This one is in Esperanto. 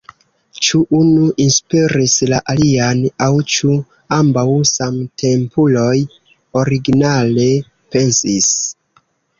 Ĉu unu inspiris la alian aŭ ĉu ambaŭ, samtempuloj, originale pensis?